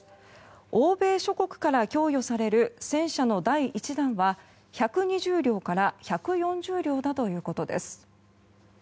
欧米諸国から供与される戦車の第１弾は、１２０両から１４０両だということです。